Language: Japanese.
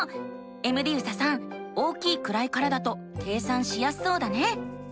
エムディユサさん大きい位からだと計算しやすそうだね。